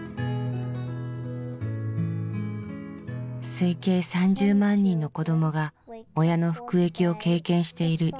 推計３０万人の子どもが親の服役を経験しているイギリス。